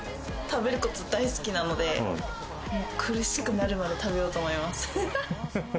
食べること大好きなので、苦しくなるまで食べようと思います。